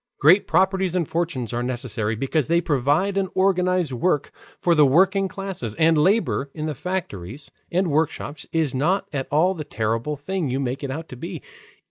Great properties and fortunes are necessary, because they provide and organize work for the working classes. And labor in the factories and workshops is not at all the terrible thing you make it out to be.